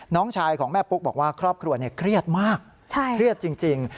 น้องชายของแม่ปุ๊กบอกว่าครอบครัวเครียดมากเครียดจริง